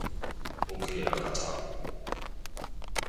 屋企又有曱甴